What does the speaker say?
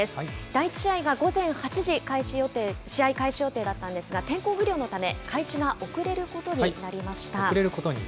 第１試合が午前８時、試合開始予定だったんですが、天候不良のため開始が遅れることに遅れることに。